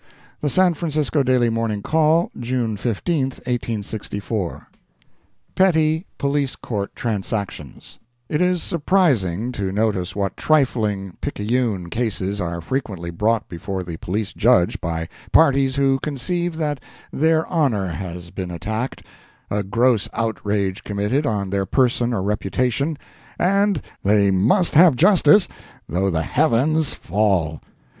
The San Francisco Daily Morning Call, June 15, 1864 PETTY POLICE COURT TRANSACTIONS It is surprising to notice what trifling, picayune cases are frequently brought before the Police Judge by parties who conceive that their honor has been attacked, a gross outrage committed on their person or reputation, and they must have justice "though the heavens fall."